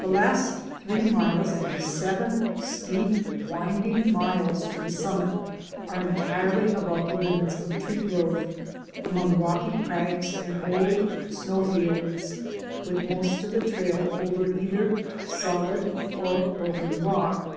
The last three miles of the seven steep, winding miles to the summit are entirely above the limits of tree growth, among rocky crags and old snow fields, with most of the trail over either solid or broken rock.